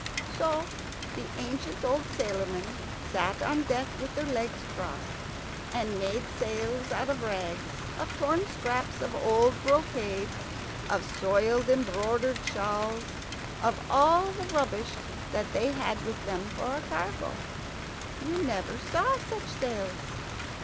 So the ancient old sailormen sat on deck with their legs crossed, and made sails out of rags, of torn scraps of old brocades, of soiled embroidered shawls, of all the rubbish that they had with them for a cargo. You never saw such sails.